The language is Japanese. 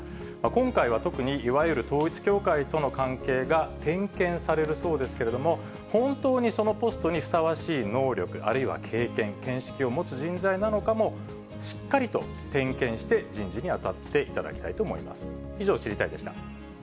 今回は特に、いわゆる統一教会との関係が点検されるそうですけれども、本当にそのポストにふさわしい能力、あるいは経験、見識を持つ人材なのかも、しっかりと点検して人事に当たっていただきたいと思います。